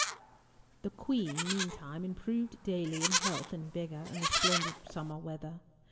The Queen meantime improved daily in health and vigour in the splendid summer weather.